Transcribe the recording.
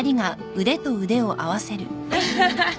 アハハハ。